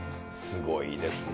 すごいですね。